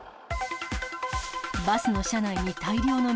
バスの車内に大量の水。